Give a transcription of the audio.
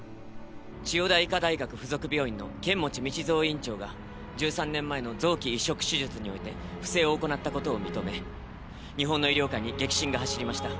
千代田医科大学附属病院の剣持理三院長が１３年前の臓器移植手術において不正を行ったことを認め日本の医療界に激震が走りました